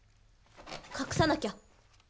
隠さなきゃ！